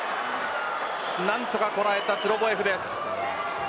何とかこらえたツロボエフです。